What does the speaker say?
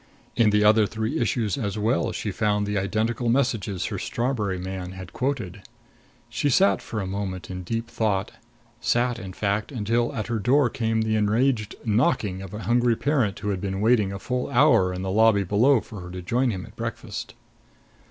In the other three issues as well, she found the identical messages her strawberry man had quoted. She sat for a moment in deep thought; sat, in fact, until at her door came the enraged knocking of a hungry parent who had been waiting a full hour in the lobby below for her to join him at breakfast.